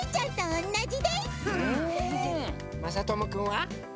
まさともくんは？